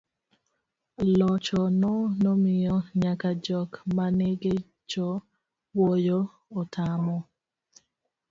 loch no nomiyo nyaka jok maneng'icho wuoyo otamo